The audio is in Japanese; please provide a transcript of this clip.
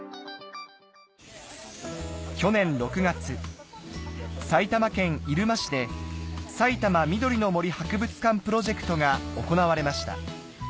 去年６月埼玉県入間市で「さいたま緑の森博物館プロジェクト」が行われました